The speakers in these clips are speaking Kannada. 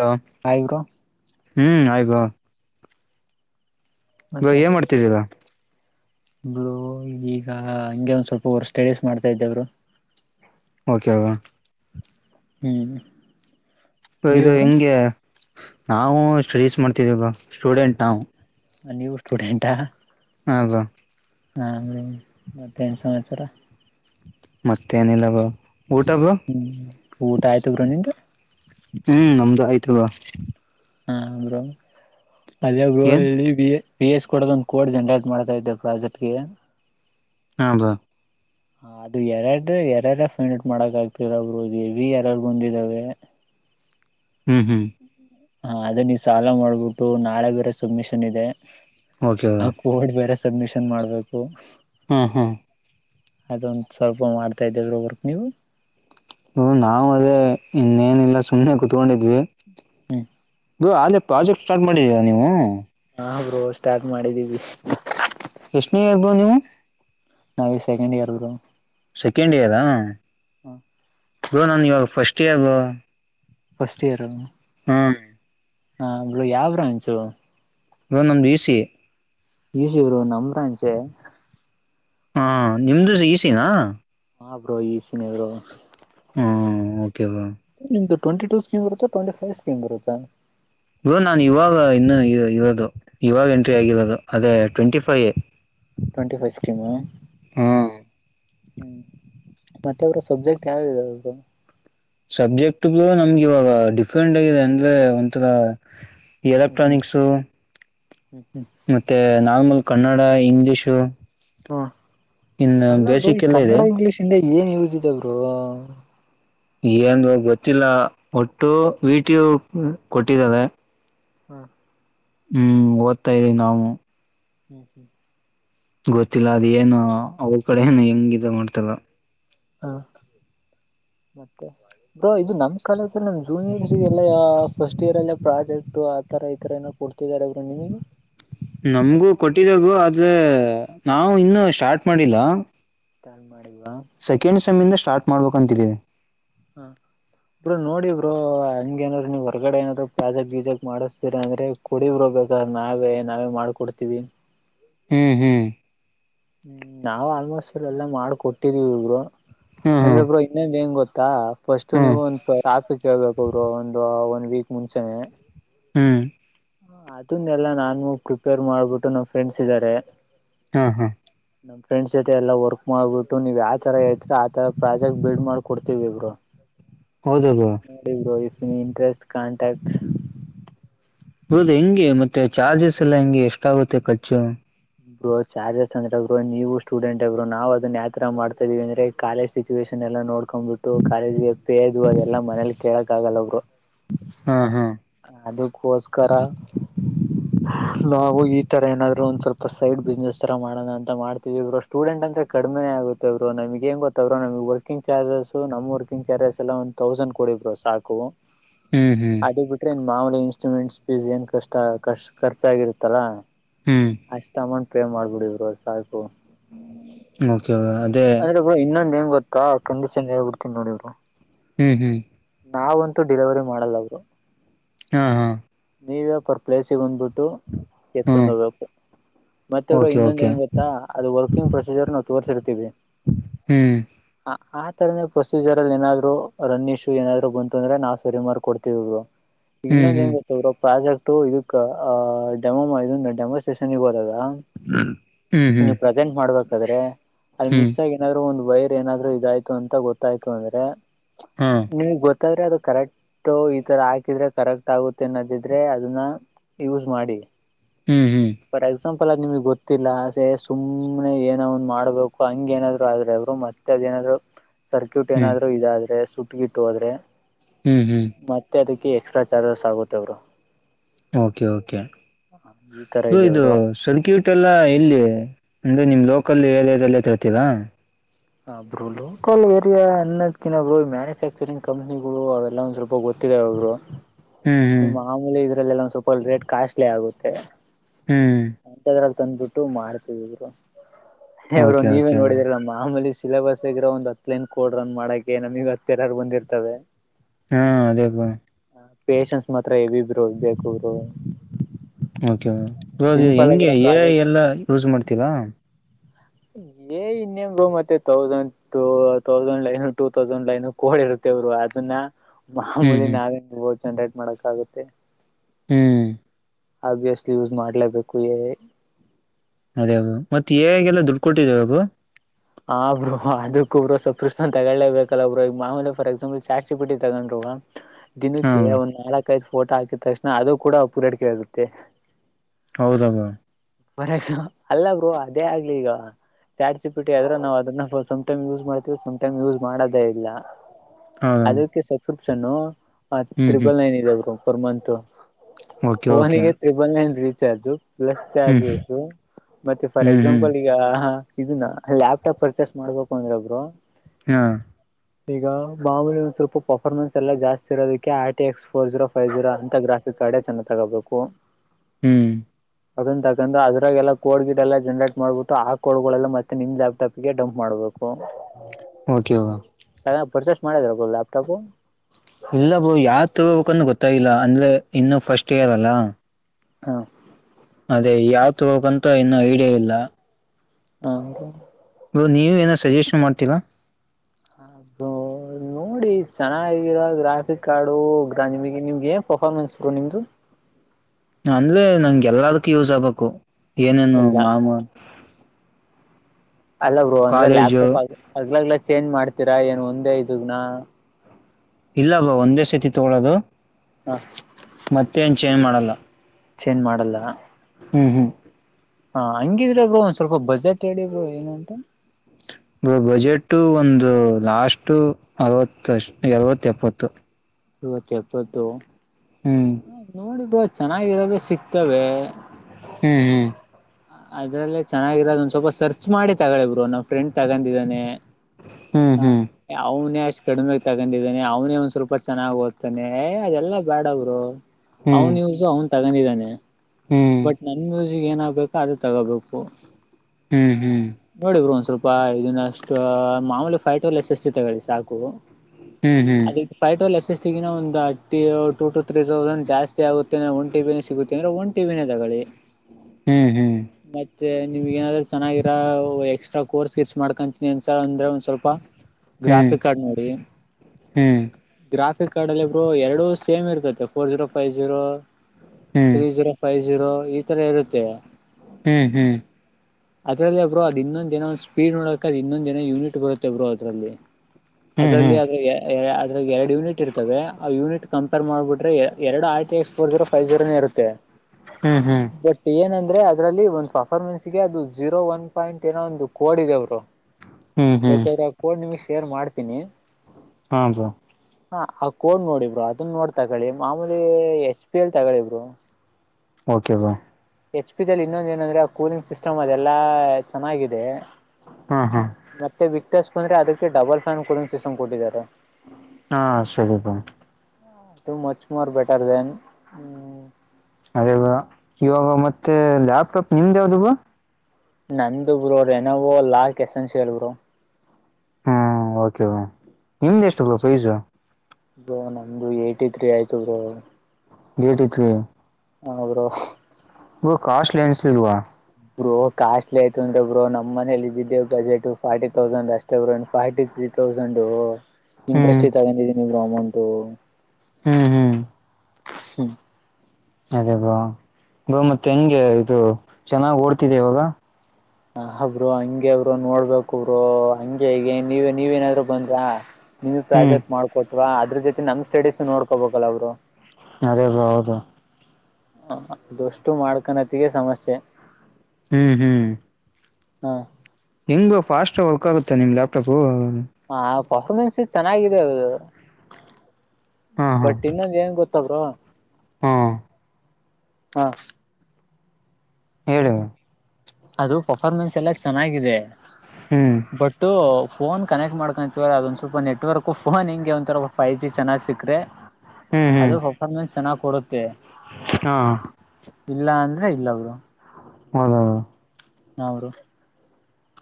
ಹಲೋ ಯವ್ರೋ ಹ್ಮ್ ಆಯ್ಗೋ ಇ ಏನ್ ಮಾಡ್ತಿದರ ಇರು ಈಗ ಹಂಗೆ ಒಂದ್ ಸ್ವಲ್ಪರ್ ಸ್ಟಡೀಸ್ ಮಾಡ್ತಾ ಇದ್ದಬ್ರೋ ಓಕೆ ಹೂ ಇದು ಹೆಂಗೆ ನಾವು ಸ್ಟಡೀಸ್ ಮಾಡ್ತಿದೀ ಸ್ಟೂಡೆಂಟ್ ನಾವು ನೀವು ಸ್ಟೂಡೆಂಟ್ ಹ ಬ್ರೋ ಹಮ್ರ ಮಟೆ ಸಮಾಚರ ಮತ್ತೆ ಏನಿಲ್ಲ ಬ್ರೋ ಊಟ ಬ್ರೋ ಹೂ ಊಟ ಆಯ್ತು ಬ್ರೋ ನಿಮ್ದು ಹೂ ನಮ್ದು ಆಯ್ತು ಬ್ರೋ ಹಾ ಬ್ರೋ ಅದೇ ಏನ್ ಇಿ ಬಿ ಎ ಪಿ ಎಸ್ ಕೊಡದ ಒಂದ್ ಕೋಡ್ ಜನರೇಟ್ ಮಾಡ್ತಾ ಇದ್ದೆ ಪ್ರಾಜೆಕ್ಟ್ಗೆ ಹೌದ ಹ ಅದು ಎರಡು ಎರಾರಫ್ ಮಿನಟ್ ಮಾಡಕ್ ಆಗ್ತಿರಬ್ರು ಎವಿ ಯರಾರ್ ಬಂದಿದಾವೆ ಹ್ಮ್ ಹ್ಮ್ ಹ ಅದೇ ನೀ್ ಸಾಲ ಮಾಡ್ಬಿಟ್ಟು ನಾಳೆ ಬೇರೆ ಸಬ್ಮಿಷನ್ ಇದೆ ಓಕೆ ಬ್ರೋ ಬೇರೆ ಸಡ್ಮಿಷನ್ ಮಾಡ್ಬೇಕು ಹಾ ಹಾ ಅದೊಂದು ಸ್ವಲ್ಪ ಮಾಡ್ತಾಯ ಇದಿದ್ದೇವೆ ರೊಬರ್ಕ ನೀವು ಹ ನಾವವು ಅದೇ ಇನ್ನೇನಿಲ್ಲ ಸುಮ್ನೆ ಕುೂತ್ಕೊಂಡಿದ್ವಿ ಹ್ಮ ಇ ಅಲ್ಲೇ ಪ್ರಾಜೆಕ್ಟ್ ಸ್ಟಾರ್ಟ್ ಮಾಡಿದೀರಾ ನೀವು ನಾಬ್್ರೋ ಸ್ಟಾರ್ಟ್ ಮಾಡಿದ್ದೀವಿ ಎಷ್ಟ್ಮ ಇರ್ಬೋ ನೀ ನಾವ ಸೆಕೆ್ ಇರ್ರು ಸೆಕೆಂಡ್ ಇಯರಾ ಇದು ನಾನು ಇವಾಗ ಫಸ್ಟ್ ಇಯರ್ದು ಫಸ್ಟ್ ಇಯರ್ ಹ್ಮ ಹಾಬ್ರು ಯಾವ್ ಬ್ರಾಂಚು ಇದನ್ನೊಂದು ಇಸಿ ಈಶವರು ನಮ್ರಾಂಚೆ ಹಾ ನಿಮ್ದು ಈಸಿನ ಮಾ ಬ್ರೋ ಈಸಿನ ಬ್ರೋ ಹ ಓಕೆ ಬ್ರೋ ನಿಮ್ಮದು ಟ್ವೆಂಟಿಟು ಸ್ಕೀಮ್ ಬರುತ್ತಾ. ಟ್ವೆಂಟಿಫೈವ್ ಸ್ಕೀಮ್ ಬರುತ್ತಾ. ಬ್ರೋ ನಾನು ಇವಾಗ ಇನ್ನು ಇರೋದು ಇವಾಗ ಎಂಟ್ರಿ ಆಗಿರೋದು ಅದೇ ಟ್ವೆಂಟಿ ಫೈವ್ ಎ ಟ್ವೆಂಟಿಫೈವ್ ಸ್ಕೀಮ್ ಆ ಹು ಪ್ಚ್ ಮತ್ತೆ ಅವರ ಸಬ್ಜೆಕ್ಟ್ ಯಾವ ಯಾವ ಹೇಳಿದ್ರು ಬ್ರೋ. ಸಬ್ಜೆಕ್ಟ್ ಗಳು ನಮಗ ಇವಾಗ ಡಿಫ್ರೆಂಟ್ ಏನಂದ್ರೆ ಅಂದ್ರೆ ಒಂಥರಾ ಹ್ಮ್ ಹ್ಮ್ ಎಲೆಕ್ಟ್ರಾನಿಕ್ಸು ಪ್ಚ್ ಹ್ಮ್ ಹ್ಮ್ ಟಕ್ ಮತ್ತೆ ನಾಮಲ್ ಕನ್ನಡಾ ಇಂಗ್ಲೀಷು ಹು ಅಲ್ಲ ಬ್ರೋ ಈ ಎಲ್ಲ ಕನ್ನಡ ಇದೆ ಇಂಗ್ಲಿಷ್ ಹಿಂದಿ ಏನ್ ಯೂಸ್ ಇದೆ ಬ್ರೋ ಏಂದು ಹ ಗೊತ್ತಿಲ್ಲ ಒಟ್ಟು ವಿಟಿಯೂ ಕೊಟ್ಟಿದ್ದಾವೆ. ಹಾ ಹು ಓದ್ತಾ ಇದವಿ ನಾವು ಹು ಹು ಗೊತ್ತಿಲ್ಲ ಅದ ಏನು ಅವ್ರ ಕಡೆ ಹ ಹೆಂಗಿದ ಮಾಡ್ತಲ್ಲ ಹಾಆ ಜೀಇಇಇ ಮತ್ತೆ ಬ್ರೋ ಇದು ನಮ್ ಕಾಲೇದಲ್ಲಿ ನಮ್ಮ್ ಜೂನಿಯರ್ಸ್ಗೆಲ್ಲ ಫಸ್ಟ್ ಇಯರ್ ಎಲ್ಲ ಪ್ರಾಜೆಕ್ಟ್ ಥರ ಈ ಥರ ಏನೋ ಕೊಡ್ತಿದ್ದಾರೆ ಬ್ರೋ ನಿಮಗೆ ನಮಗು ಕೊಟ್ಟಿದಾಗು ಆದ್ರೆ ನಾವು ಇನ್ನು ಸ್ಟಾರ್ಟ್ ಮಾಡಿಲ್ಲ. ಸ್ಟಾರ್ಟ್ ಮಾಡಿಲ್ವಾ. ಸೆಕೆಂಡ್ ಸೆಮ್ ಇಂದ ಸ್ಟಾರ್ಟ್ ಮಾಡ್ಬೇಕಂತೀದಿವಿ. ಹಾ ಟಕ್ ಬ್ರೋ ನೋಡಿ ಬ್ರೋ ಹಂಗೇನಾದ್ರೂ ನೀವ ಹೊರ್ಗಡೆ ಏನಾದ್ರು ಪ್ರೊಜಾಕ್ಟ್ ಗೀಜಕ್ ಮಾಡಿಸ್ತೀರ ಅಂದ್ರೆ ಕೊಡಿಬ್ರೋ. ಬೇಕಾದ್ರೆ ನಾವೇ ನಾವೇ ಮಾಡಿ ಕೊಡತ್ತೆವಿ ಹು ಹು ಹು ನಾವು ಆಲ್ಮೋಸ್ಟ್ ಇಲ್ಲಿ ಎಲ್ಲಾ ಮಾಡ್ಕೊಟ್ಟಿದೀವಿ ಬ್ರೋ ಹ್ಮ್ ಅಂದ್ರೆ ಹ್ಮ್ ಬ್ರೋ ಇನ್ನೊಂದು ಏನು ಗೊತ್ತ ತ್ತಾ ಫಸ್ಟ್ ಹ್ಮ್ ನೀವು ಒಂದ ಗ್ರಾಫೀಕ್ ಹೇಳ್ಬೇಕ ಬ್ರೋ ಒಂದು ವೀಕ್ ಮುಂಚೆನೆ ಹೂ ಹ ಅದನ್ನ ಎಲ್ಲಾ ನಾನು ಪ್ರಿಪೇರ್ ಮಾಡ್ಬಿಟ್ಟು ನಮ್ಮ ಫ್ರೆಂಡ್ಸ್ ಇದ್ದಾರೆ ಹಾ ಹಾ ನಮ್ಮ ಫ್ರೆಂಡ್ ಜೊತೆ ಎಲ್ಲ ವರ್ಕ್ ಮಾಡ್ಬಿಟ್ಟು ನೀವ್ ಯಾವ ತರ ಹೇಳತಿರಿ ಆತರ ಪ್ರಾಜೆಕ್ಟ್ ಬಿಡ್ ಮಾಡಿ ಕೊಡ್ತೀವಿ ಬ್ರೋ ಹೌದಾ ಬ್ರೋ ನೋಡಿ ಬ್ರೋ ಇಫ್ ಇಂಟ್ರೆಸ್ಟ್ ಕಾಂಟ್ಯಾಕ್ಟ್ಸ್ ಹೌದು ಹೆಂಗೆ ಮತ್ತೆ ಚಾರ್ಜಸ್ ಎಲ್ಲಾ ಹೆಂಗೆ ಎಷ್ಟ ಆಗುತ್ತೆ ಖರ್ಚು ಬ್ರೋ ಚಾರ್ಜಸ ಅಂದ್ರೆ ನೀವು ಸ್ಟೂಡೆಂಟ್ಬ್ರು ನಾವು ಅದನ್ನ ಯಾವ ತರ ಮಾಡತಾ ಇದೀವಿ ಅಂದ್ರೆ ಕಾಲೇಜ್ ಸಿಚುವೇಷನ್ ಎಲ್ಲ ನೋಡ್ಕೊಂಡ್ಬಿಟ್ಟು ಕಾಲೇಜ್ಗೆ ಪೇದವು ಅದೆಲ್ಲಾ ಮನೇಲಿ ಕೇಳಕ್ ಆಗಲ್ಲ ಬ್ರೋ ಹಾ ಹಾ ಹಾ ಅದಕ್ಕೋಸ್ಕರ ಹು ನಾವು ಈ ತರ ಏನಾದ್ರು ಒಂದ್ ಸ್ವಲ್ಪ ಸೈಡ್ ಬಿಸ್ನೆಸ್ ತರ ಮಾಡೋಣ ಅಂತ ಮಾಡ್ತಿದಿವಿ ಸ್ಟೂಡೆಂಟ್ ಅಂದ್ರೆ ದ್ರೆ ಕಡಿಮೆ ಆಗುತ್ತೆ ಅವರು ನಮ್ಗೆ ಏನು ಗೊತ್ತು ಬ್ರೋ ವರ್ಕಿಂಗ್ ಚಾರ್ಜಸ್ ನಮ್ಮ ವರ್ಕಿಂಗ್ ಚಾರ್ಜಸ್ ಎಲ್ಲ ಒಂದ್ಥೌಸಂಡ್ ಕೊಡಿ ಬ್ರೋ ಸಾಕು ಹೂ ಹೂ ಅದು ಬಿಟ್ರೆ ಮಾಮೂಲಿ ಇನ್ಸ್ಟ್ರೂಮೆಂಟ್ಸ್ ಪೀಸ್ ಏನು ಖರ್ಚಾಗಿರುತ್ತಲ್ಲಾ ಹ್ಮ್ ಅಷ್ಟ ಅಮೌಂಟ್ ಪೇ ಮಾಡಬಿಡಿ ಬ್ರೋ ಸಾಕು ಹು ನೋಡತೇ ಅಂದ್ರೆ ಬ್ರೋ ಇನ್ನೊಂದು ಹೆಂಗ್ ಗೊತ್ತಾ ಕಂಡಿಸ್ಂದ ಹೇ ಬಿಡ್ತನಿ ನೋಡಿ ಬ್ರೋ ಹೂ ಹೂ ನಾವಂತೂ ಡಿಲಿವರಿ ಮಾಡಲ್ಲ ಬ್ರೋ ಹಾ ಹಾ ನೀವೇ ಪರ ಪ್ಲೇಸಿಗೆ ಹೊಂದ್ಬಿಟ್ಟು ಎತ್ಕೊಂಡ ಹ್ಮ್ ಹೋಗ್ಬೇಕು ಮತ್ತೆ ಬ್ರೋ ಓಕೆ ಇನ್ನೊಂದ ಓಕೆ ಏನ್ ಗೊತ್ತಾ ಅದು ವರ್ಕಿಂಗ್ ಪ್ರೊಸೀಜರ್ ನಾವು ತೋರ್ಸಿರ್ತೀವಿ ಹೂ ಆ ತರನೇ ಪ್ರೊಸೀಜರ್ ಅಲ್ಲಿ ಏನಾದ್ರು ರನ್ ಇಶ್ಯೂ ಏನಾದ್ರು ಬಂತ ಅಂದ್ರೆ ನಾವು ಸರಿಮಾಡಿ ಕೊಡ್ತೀವಿ ಬ್ರೋ ಈಗ ಹ್ಮ್ ಇನ್ನೊಂದ ಏನ್ ಹ್ಮ್ ಗೊತ್ತಾಬ್ರೋ ಪ್ರಾಜೆಕ್ಟ್ ಇದಕ್ ಅಹ್ ಡೆಮೋ ಇದ ಡೆಮೋ ಸ್ಟ್ರೇಷನ್ಗ ಹೋದಾಗ ಹ್ಮ್ ಹ್ಮ್ ನೀವು ಪ್ರೆಸೆಂಟ್ ಮಾಡ್ಬೇಕಾದ್ರೆ ಅಲ್ಲಿ ಹ್ಮ್ ಮಿಸ್ ಆಗಿ ಏನಾದ್ ಒ ವೈರ್ ಏನಾದ್ರು ಇದಾಯ್ತು ಅಂತ ಗೊತ್ತಾಯ್ತು ಅಂದ್ರೆ ಹಾ ನಿಮಗ್ ಗೊತ್ತಾದ್ರೆ ಅದು ಕರೆಕ್ಟ್ ಈ ತರ ಹಾಕಿದ್ರೆ ಕರೆಕ್ಟ್ ಆಗುತ್ತೆ ಅನ್ನೋದಿದ್ರೆ ಅದನ್ನ ಯೂಸ್ ಮಾಡಿ ಹೂ ಹೂ ಲ್ ನಿಮ್ಗೆ ಗೊತ್ತಿಲ್ಲ ಸೇ ಸುಮ್ಮನೆ ಏನೋ ಒ್ ಮಾಡ್ಬೇಕು ಹಂಗ ಏನಾದ್ರು ಆದ್ರೆ ಅವರು ಮತ್ತೆದ ನಾದ್ರು ಸರ್ಕ್ಯೂಟ್ ಹ್ಮ್ ಏನಾದೂ ಇದಾದ್ರೆ ಸುಟ್ಗಿಟ್ಟ ಹೋದ್ರೆ ಹ್ಮ್ ಹ್ಮ್ ಮತ್ತೆ ಅದಕ್ಕೆ ಎಕ್ಸ್ಟ್ರಾ ಚಾರ್ಜಸ್ ಆಗುತ್ತೆ ಬ್ರೋ ಓಕೆ ಓಕೆ ಈ ತರ ಅದು ಇದೆ ಇದು ಅವರು ಸರ್ಕ್ಯೂಟ್ ಎಲ್ಲ ಎಲ್ಲಿ ಅಂದ್ರೆ ನಿಮ್ ಲೋಕಲ್ ಏರಿಯಾದಲ್ಲ ಕೇಳ್ತೀರಾ ಅಬ್ರು ಲೋಕಲ್ ಏರಿಯ ಅನ್ನೋದಕಿಬ್ರು ಮ್ಯಾನುಫ್ಯಾಕ್ಚರಿಂಗ್ ಕಂಪ್ನಿಗಳು ಅವೆಲ್ಲ ಒಂದ್ ಸ್ವಲ್ಪ ಗೊತ್ತ [unintelligible] ಹರು ಹ್ಮ್ ಹ್ಮ್ ನಿಮ್ಮ ಮಾಮೂಲಿ ಇದ್ರಲ್ಲೆಲ್ಲ ಒ ಸ್ವಪಲ್ ರೇಟ್ ಕಾಸ್ಟ್ಲಿ ಆಗುತ್ತೆ ಹೂ ಅಂತದ್ರಲ್ಲಿ ತಂದ್ಬಿಟ್ಟು ಮಾಡ್ತೀವಿ ಬ್ರೋ ಓಕೆ ನೀವೇ ಓಕೆ ನೋಡಿದ್ರಲ್ಲ ಮಾಮೂಲಿ ಸಿಲಲೆಬಸ್ ಆಗಿರೋ ಒಂದ್ ಹತ್ ಲೈನ್ ಕೋಡ್ ರನ್ ಮಾಡಕ ನಮಗ್ ಹತ್ತು ಎರರ್ ಬಂದಿರ್ತವೆ ಹೂ ಅದೇ ಬ್ರೋ ಪೇಷನ್ಸ್ ಮಾತ್ರ ಹೆವಿ ಬ್ರೋ ಬೇಕು ಬ್ರೋ ಕೆ ಇವಾಗ ಸಿಂಪಲ್ ಹೆಂಗೆ ಆಗಿರೋ ಎಐ ಪ್ರಾಜೆಕ್ಟ್ ಎಲ್ಲ ಯೂಸ್ ಮಾಡ್ತೀರಾ ಇನ್ನೇ ಬ್ರೋ ಮತ್ತೆ thousand two thousand line two thousand line code ಇರುತ್ತ ವರು ಅದನ್ನ ಹ್ಮ್ ಮಾಮೂಲಿ ಹ್ಮ್ ನಾವೇೋ ಜನರೇಟ್ ಮಾಡಕ್ಗುತ್ತೆ ಹ್ಮ್ ಆಬ್ವಿಯಸ್ಲಿ ಯೂಸ್ ಮಾಡ್ಲೇಬೇಕು ಅದೇ ಅದದು ಮತ್ತತ್ ಹೇಗೆಲ್ಲ ದುಡ್ಡು ಕೊಟ್ಟಿದ್ದೇವೆ ಅಬು ಆ ಬರು ಅದಕ್ಕೊಬ್ರು ಸ್ವಪೃಷನ್ ತಗಳ್ಲೇಬೇಕಲ್ಲಬ್ಬರು ಈಗ ಮಾಮೂಲಿ ಫಾರ್ ಎಕ್ಸಾಂಪಲ್ ಚಾಾರ್ಚಿಪಿಟ್ಟಿ ತಗೊಂಡ್ರು ಹಾ ದಿನಕ್ಕೆ ಅವನ್ ನಾಡಕೈದ್ ಫೋಟೋ ಹಾಕಿದ ತಕ್ಷಣ ಅದು ಕೂಡ ಪೂರಟಕೆ ಆಗುತ್ತೆ ಹೌದದು ಫಾರ್ ಎಕ್ಸಾಂಪಲ್ ಅಲ್ಲ ಬ್ರೂ ಅದೇ ಆಗ್ಲಿ ಈಗ ಚಾಡ್ಸಿಪಿಟ್ಟಿ ಆದ್ರೂ ನಾವ್ ಅದನ್ನಸ [unintelligible] ಮಾಡ್ವಿ ಯಸ್ ಮಾಡದೇ ಇಲ್ಲ ಹೌದಾ ಅದಕ್ಕೆ ಸಬ್ಸ್ಕ್ರಿಪ್ಷನ್ ಆ ಹ್ಮ್ ಹ್ಮ್ ತ್ರಿಬಲ್ ನೈನ್ ಇದರು ಪರ್ ಮತ್ ಓಕೆ ಓಕೆ ಫೋನಿಗೆ ತ್ರಿಬಲ್ ನೈನ್ ರೀಚಾರ್ಜು ಹ್ಮ್ ಚಾರ್ಜಸ ಮತ್ತೆ ಫಾರ್ ಹ್ಮ್ ಹ್ಮ್ ಎಕ್ಸಾಂಪಲ್ ಈಗ ಇದನ್ನ ಲ್ಯಾಪ್ಟಾಪ್ ಪರ್ಚೇಸ್ ಮಾಡ್ಬೇಕು ಅಂದ್ರೆ ಒಬ್ರು ಹಾ ಈಗ ಮಾಮೂಲಿ ಒಂದು ಸ್ವಲ್ಪ ಪರ್ಫಾರೆನ್ಸ್ ಎಲ್ಲ ಜಾಸ್ತಿ ಇರೋದಕ್ಕೆ ಟಿ ಎಕ್ಸ್ಫೋರ್ ಜೀರೋ ಫೈವ ರ ಅಂತ ಗ್ರಾಫಿಸ್ ಕಡೆ ಚೆನ್ನ ತಗೋಬೇಕು ಹ್ಮ್ ಅದಂತ ತಕಂದ ಅದ್ರಾಗೆಲ್ಲ ಕೋಡ್ ಗಿಟ್ ಎಲ್ಲ ಜನ್ರೇಟ್ ಮಾಡ್ಬಿಟ್ಟು ಆ ಕೋಡ್ಗಳೆಲ್ಲ ಮತ್ತೆ ನಿಮ್ ಲ್ಟಟಾ ಗೆ ಡಂಪ್ ಮಾಡ್ಬೇಕು ಓಕೆ ಬ್ರೋ ಪರ್ಚೆಸ್ ಮಾಡಿದ ಲ್ಯಾಪ್ಟಾಪ ಇಲ್ಲ ಬೋ ಯಾವ ತಗೋಬೇಕ ಗೊತ್ತಾಗಿಲ್ಲ ಅಂದ್ರೆ ಇನ್ನು ಫಸ್ಟ್ ಇಯರ್ ಅಲ್ಲ ಹಾ ಅದೇ ಯಾವತ್ ಹೋಗಕಂತ ಇನ್ನುೂ ಐಡಿಯಾ ಇಲ್ಲ ನರುೂ ನೀವ ಏನೋ ಸಜೆಷನ್ ಮಾಡ್ತೀರಾ [unintelligible] ನೋಡಿ ಚೆನ್ನಾಗಿರ ಗ್ರಾಫಿಕ್ ಆಡು ಗ ನಿಮ ನಿಮ್ಗೆ ಏನ್ ಪರ್ಫ್ಮೆನ್ಸ್ ಬರು ನಿಮ್ದು ಅಂದ್ರೆ ನಂಗೆ ಎಲ್ಲದಕ್ಕೂ ಯೂಸ್ ಆಗ್ಬೇಕು ಏನೇನು ಇಲ್ಲ ಮಾಮೂ ಅಲ್ಲ ಬ್ರರು ಅಂದ್ರೆ ಕಾಲೇಜು ಲ್ಯಾಪ್ಟಾಪ್ ಆಗ್ ಹಗ್ಲಗ್ ಚೇಂಜ್ ಮಾಡ್ತೀರಾ ಏನ್ ಒಂದೇ ಇದಗ್ನಾ ಇಲ್ಲ ಬ ಒಂದೇ ಸತಿ ತಗಳೋದು ಹಾ ಮತ್ತೆ ಅನ್ಚೇಂಜ್ ಮಾಡಲ್ಲ ಚೇಂಜ್ ಮಾಡಲ್ಲ ಹ್ಮ್ ಹ್ಮ್ ಹಾ ಹಂಗಿದ್ರ ಬ್ರೋ ಒಂದ್ ಸ್ವಲ್ಪ ಬಜೆಟ್ ಹೇಳಿ ಬ್ರರು ಏನುಂತ ಬಜೆಟ್ ಒಂದು ಲಾಸ್ಟ್ ಅರವತ್ತ ಎರವತ್ತ ಎಪ್ಪತ್ತು ಇವತ್ತು ಎಪ್ಪತ್ತು ಹ್ಮ್ ನೋಡಿ ಬ ಚೆನ್ನ ಸಿಗ್ತವೆ ಹ್ಮ್ ಅದ್ರೇ ಚೆನ್ನಾಗಿರೋದ ಒಂದ್ ಸ್ವಲ್ಪ ಸರ್ಚ್ ಮಾಡಿ ತಗಳಿ ಬರು ನಮ್ಮ್ ಫ್ರೆಂಡ್ ತಗೊಂಡಿದ್ದಾನೆ ಹ್ಮ್ ಹ್ಮ್ ಹಾ ಹ್ಮ್ ಅವನ ಕಡಿಮೆಾಗ ತಗೊಂಡಿದ್ದಾನೆ ಅವನೇ ಒಂದ ಸ್ವಲ್ಪ ಚೆನ್ನಾಗಿ ಓದ್ತಾನೇ ಅದೆಲ್ಲ ಬೇಡ ಅವರು [unintelligible] ಅವನ್ ಹ್ಮ್ ಯೂಸು ಅವ್ನ್ ತಗೊಂಡಿದ್ದಾನೆ ಹ್ಮ್ ಬಟ್ ನನ್ ಮ್ಯೂಸಿಗೆ ಏನ ಆಗ್ಬೇಕು ಅದೇ ತಕೋಬೇಕು ಹ್ಮ್ ಹ್ಮ್ ಪ್ಪ ಇದನ್ನ ಅಷ್ಟು ಮಾಮೂಲಿ ಫೈಟಲ್ಲಿ ಎಸ್ಸ್ತಿ ತಗೊಳ್ಳಿ ಸಾಕು ಹ್ಮ್ ಹ್ಮ್ ಹ್ಮ್ ಅದ ಹ್ಮ್ ಫೈ ಟಲ್ ಎಸ್ ಎಸ್ಗಿನ ಒಂದು ಟು ಟು ತ್ರೀ ತೌಸಂಡ್ ಜಾಸ್ತಿ ಆಗುತ್ತೆ ಅಂದೆ ಒ ಟಿನೇ ಸಿಗುತ್ತೆ ಅಂದ್ರೆ ಒನ್ ಟಿನೇ ತಗೊಳ್ಳಿ ಹ್ಮ್ ಹ್ಮ್ ನಿಮ್ಗ ಏನಾದ್ರು ಚೆನ್ನಾಗಿರ ಎಕ್ಸ್ಟ್ರಾ ಕೋರ್ಸ್ಸ್ ಮಾಡ್ಕೊಂಡ ಸ ಅಂದ್ರೆ ಒಂದ್ ಸ್ವಲ್ಪ ಗ್ರಾಫಿಕ್ ಆಡ್ ನೋಡಿ ಗ್ರಾಫಿ ಕಾರ್ಡ್ ಅಲ್ಲಿ ಬ ಎಡು ಸೇಮ್ ಇರ್ತತೆ four zero five zero three zero five zero ಈ ತರ ಇರುತ್ತೆ ಹ್ಮ್ ಹ್ಮ್ ಅದ್ರಲ್ಲಿಬ್ರು ಅದು ಇನ್ನೊಂದ್ ಜನ ಒಂದ ಸ್ಪೀಡ್ ನೋಡಕ ಅ ಇನ್ನೊಂದ ಜನ ಯೂನಿಟ್ ಬರುತ್ತೆ ಬರು ಅದ್ರಲ್ಲಿ ಹ್ಮ್ ಹ್ಮ್ ಅದಲ್ಲಿ ಅದು ಇದ್ರ ಎರಡ್ ಯೂನಿಟ್ ಇರ್ತವೆ ಆ ಯನಿಟ್ ಕಂಪೇರ್ ಮಾಡಬಿಟ್ರೆ ಎರಡು R T X four zero five ಜೀರೋನ ಇರುತ್ತೆ ಹ್ಮ್ ಬಟ್ ಏನಂದ್ರೆ ಇದರಲ್ಲಿ ಒಂದು ಪರ್ಫಾರ್ಮೆನ್ಸ್ ಗೆ ಅದು ಜೀರೋ ಒನ್ ಪಾಯಿಂಟ್ ಏನೋ ಒಂದು ಕೋಡ್ ಇದೆ ಅವರ್ದು ಹ್ಮ್ ಬೇಕಾದ್ರೆ ಆ ಕೋಡ್ ನಿಮ್ಗ್ ಶೇರ್ ಮಾಡ್ತೀನಿ ಹಾ ಬ್ರೋ ಆ ಕೋಡ್ ನೋಡಿ ಬ್ರೋ ಅದನ್ನ ನೋಡಿ ತಕೋಳ್ಳಿ ಮಾಮೂಲಿ ಹೆಚ್ ಪಿ ಎಲ್ ತಗೊಳ್ಳಿ bro okay bro H P ದಲ್ಲಿ ಇನ್ನೊಂದ ಏನಂದ್ರೆ ಕೂಲಿಂಗ್ ಸಿಸ್ಟಮ್ ಅದೆಲ್ಲಾ ಚೆನ್ನಾಗಿದೆ ಹಾ ಹಾ ಮತ್ತೆ ವಿಕ್ಟಸ್ ಬಂದ್ರೆ ಅದಕ್ಕೆ ಡಬಲ್ ಫ್ಯಾನ್ ಕೂಲಿಂಗ್ ಸಿಸ್ಟಮ್ ಕೊಟ್ಟಿದ್ದಾರೆ ಹಾ ಸರಿ ಬ್ರೋ ಅದು ಮಚ್ ಮೊರೆ ಬೆಟರ್ ಡಾನ್ ಅದ ಇವಾಗ ಮತ್ತೆ ಲ್ಯಾಪ್ಟಾಪ್ ನಿಮ್ದ ಯಾವ್ದ ಬ್ರೋ ನಂದು ಬ್ರೋ ರೇನೋವೋ ಲಾಲ್ಕ್ ಎಸೆನ್ಸಿಯಲ್ ಬ್ರೋ ಹ್ಮ್ ಓಕೆ ಬ್ರೋ ನಿಮ್ದ ಎಷ್ಟು ಬ್ರೋ ಫೀಸ್ ಬ್ರೋ ನಮ್ದು ಎಯಿಟ್ ತ್ರೀ ಆಯ್ತು ಬ್ರೋ ಎಯಿಟ್ ತ್ರೀ ಹ ಬ್ರೋ ಬ್ರೋ ಕಾಸ್ಟ್ಲಿ ಅನಿಸಿಲ್ವ ಬ್ರೋ ಕಾಸ್ಟ್ಲಿ ಆಯ್ತ ಅಂದ್ರೆ ಬ್ರೋ ನಮ್ಮ್ ಮನಲಿ ಇದಿದ್ದೇವು ಬಜೆಟ್ ಫಾರ್ಟಿ ತೌಸಂಡ್ ಅಷ್ಟೇ ಬ್ರೋ ಇನ್ನ ಫಾರ್ಟಿ ಫೋರ್ಟಿ ತ್ರೀ ತೌಸೆಂಡ್ ಹ್ಮ್ ಇಂಟ್ರೆಸ್ಟ್ ತಕೊಂಡಿದೀನಿ ಬ್ರೋ ಅಮೌಂಟ ಹ್ಮ್ ಹ್ಮ್ ಹ ಅದೇ ಬ್ರೋ ಬ್ರೋ ಮತ್ತೆ ಹೆಂಗೆ ಇದು ಚೆನ್ನಾಗ್ ಓಡ್ತಿದೆ ಇವಾಗ ಹ ಬ್ರೋ ಹಂಗೆ ಬ್ರೋ ನೋಡ್ಬೇಕು ಬ್ರೋ ಹಂಗೆ ಹೇಗ ನೀವ ನೀವೇನಾದ್ರು ಬಂದ್ರ ನೀವು ಹ್ಮ್ ಪ್ರಾಜೆಕ್ಟ್ ಮಾಡ್ಕೊಟ್ವಾ ಅದ್ರ ಜೊತೆ ನಮ್ ಸ್ಟಡೀಸ್ ನೋಡ್ಕೋಬೇಕಲ್ಲ ಬ್ರೋ ಅದೇ ಬ್ರೋ ಹೌದು ಹ ಅದುಷ್ಟು ಮಾಡ್ಕನತಿಗೆ ಸಮಸ್ಯೆ ಹ್ಮ್ ಹ್ಮ್ ಹ ಏನ್ ಬ್ರೋ ಫಾಸ್ಟ್ಗಿ ವರ್ಕ್ ಆಗುತ್ತೆ ನಿಮ್ ಲ್ಯಾಪ್ಟಾಪ್ ಹ ಪರ್ಫ್ಮೆನ್ಸ್ ಚೆನ್ನಾಗಿದೆ ಅದು ಹಾ ಹಾ ಬಟ್ ಇನ್ನೊಂದು ಏನ್ ಗೊತ್ತ ಗೊತ್ತಾ ಬ್ರೋ ಹಾ ಹಾ ಹೇಳಿ ಅದು ಪರ್ಫಾರ್ಮೆನ್ಸ್ ಎಲ್ಲ ಚೆನ್ನಾಗಿದೆ ಹ್ಮ್ ಬಟ್ಟ ಫೋನ್ ಕನೆಕ್ಟ್ ಮಾಡ್ಕೊಂತೀವ ಅದೊಂದ್ ಸ್ವಲ್ ನೆಟ್ರ್ಕು ಫೋನ್ ಹಿಂಗೆ ಒಂಥರ ಫೈವ್ ಜಿ ಚೆನ್ನಾಗಿ ಸಿಕ್ಕ್ರೆ ಹ್ಮ್ ಅದು ಹ್ಮ್ ಪರ್ಫಾರ್ಮೆನ್ಸ್ ಚೆನ್ನಾಗ್ ಕೊಡುತ್ತೆ ಹಾ ಇಲ್ಲ ಅಂದ್ರೆ ಇಲ್ಲ ಬ್ರೋ ಹೌದೌದು ಹ ಬ್ರೋ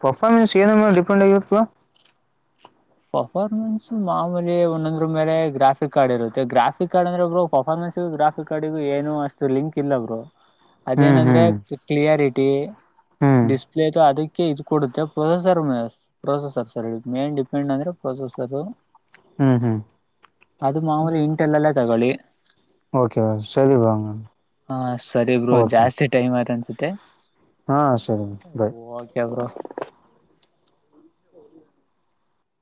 ಪರ್ಫಾರ್ಮೆನ್ಸ್ ಏನು ಮೇಲೆ ಡಿಪೆಂಡ್ ಆಗಿರುತ್ತೆ ಬ್ರೋ ಪರ್ಫಾರ್ಮೆನ್ಸ್ ಮಾಮೂಲಿ ಒಂದೊಂದ್ರ ಮೇಲೆ ಗ್ರಾಫಿಕ್ ಕಾರ್ಡ್ ಇರುತ್ತೆ ಗ್ರಾಫಿಕ್ ಕಾರ್ಡ್ ಅಂದ್ರೆಬ್ಬರು ಪರ್ಫಾರ್ಮೆನ್ಸ್ ಗ್ರಾಫಿಕ್ ಕಾರ್ಡಿಗು ಏನು ಅಷ್ಟು ಲಿಂಕ್ ಇಲ್ಲ ಬ್ರೋ ಹ್ಮ್ ಅದೇನಂದ್ರೆ ಹ್ಮ್ ಕ್ಲಿಯಾರಿಟಿ ಹ್ಮ್ ಡಿಸ್ಪ್ಲೇದು ಅದಕ್ಕೆ ಇದು ಕೊಡುತ್ತೆ processor processor main depend main ಅಂದರೆ ಪ್ರೊಸೆಸರ್ ಹ್ಮ್ ಹ್ಮ್ ಅದು ಮಾಮುಲೀ ಇಂಟೆಲ್ಲೆಲ್ಲ ತಗೊಳ್ಳಿ ಓಕೆ ಸರಿ ಬ್ರೋ ಹಾಗದ್ರೆ ಹಾ ಸರಿ ಬ್ರೋ ಜಾಸ್ತಿ ಟೈಮ್ ಆಯ್ತು ಅನ್ಸತ್ತೆ ಹಾ ಸರಿ ಬಾಯ್ ಓಕೆ ಬ್ರೋ